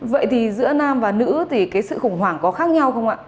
vậy thì giữa nam và nữ thì cái sự khủng hoảng có khác nhau không ạ